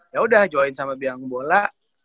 ya udah join sama biang bola